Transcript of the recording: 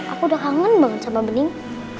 aku udah kangen banget sama bening